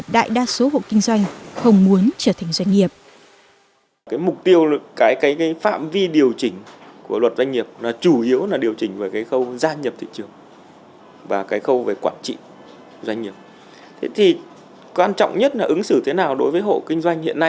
đại đa số hộ kinh doanh không muốn trở thành doanh nghiệp